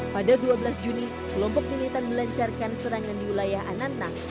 pada dua belas juni kelompok militan melancarkan serangan di wilayah ananta